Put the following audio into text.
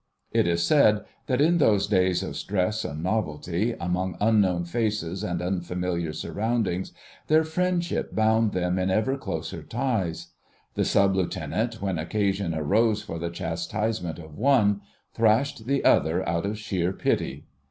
It is said that in those days of stress and novelty, among unknown faces and unfamiliar surroundings, their friendship bound them in ever closer ties. The Sub Lieutenant, when occasion arose for the chastisement of one, thrashed the other out of sheer pity.